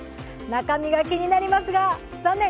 中身が気になりますが、残念！